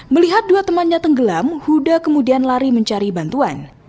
melihat dua temannya tenggelam huda kemudian lari mencari bantuan